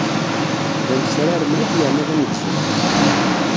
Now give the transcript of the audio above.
D amesrar mliḥ yerna d amegzu.